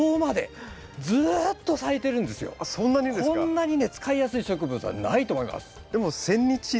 こんなにね使いやすい植物はないと思います。